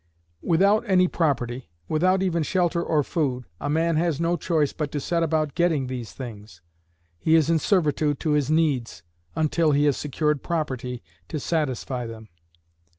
Without any property, without even shelter or food, a man has no choice but to set about getting these things; he is in servitude to his needs until he has secured property to satisfy them.